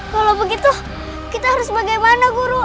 kalau begitu kita harus bagaimana guru